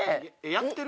やってる？